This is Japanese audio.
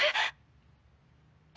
え？